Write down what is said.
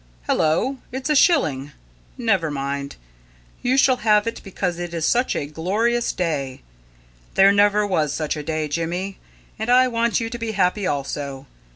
Hullo! It's a shilling! Never mind. You shall have it because it is such a glorious day. There never was such a day, Jimmy; and I want you to be happy also.